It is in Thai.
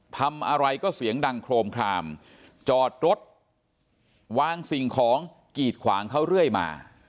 ทำอะไรก็เสียงดังโครมคลามจอดรถวางสิ่งของกีดขวางเขาเรื่อยมา